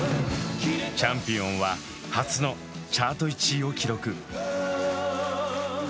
「チャンピオン」は初のチャート１位を記録。